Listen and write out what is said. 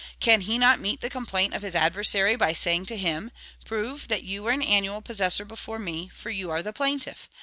Can he not meet the complaint of his adversary by saying to him: 'Prove that you were an annual possessor before me, for you are the plaintiff.